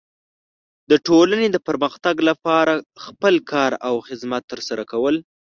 د ټولنې د پرمختګ لپاره خپل کار او خدمت ترسره کول.